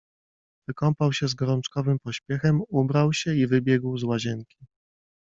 Wykąpał się z gorączkowym pośpiechem, ubrał się i wybiegł z łazienki.